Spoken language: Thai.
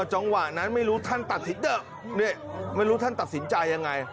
อ๋อจังหวะนั้นไม่รู้ท่านตัดสินใจยังไง